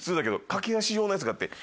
駆け足用のやつがあって。